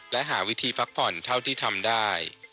และหาวิธีพักผ่อนเท่าที่ทำได้